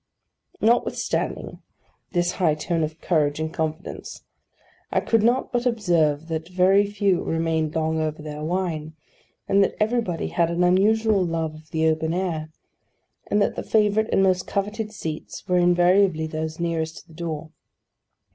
Notwithstanding this high tone of courage and confidence, I could not but observe that very few remained long over their wine; and that everybody had an unusual love of the open air; and that the favourite and most coveted seats were invariably those nearest to the door.